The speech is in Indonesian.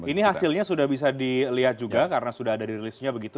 ini hasilnya sudah bisa dilihat juga karena sudah ada dirilisnya begitu